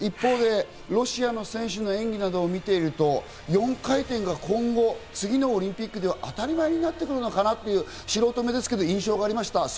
ロシアの選手の演技を見ていると、４回転が今後、次のオリンピックでは当たり前になってくるのかなっていう、素人目で印象がありました。